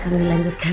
kamu tidur sama aku